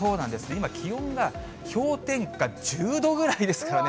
今、気温が氷点下１０度ぐらいですからね。